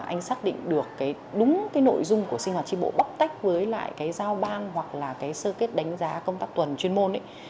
anh xác định được đúng nội dung của sinh hoạt tri bộ bóc tách với giao ban hoặc sơ kết đánh giá công tác tuần chuyên môn